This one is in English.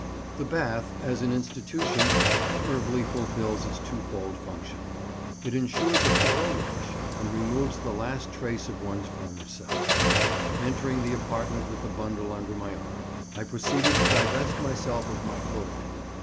The bath, as an institution, admirably fulfils its twofold function; it insures a thorough wash, and removes the last trace of one's former self. Entering the apartment with the bundle under my arm, I proceeded to divest myself of my clothing.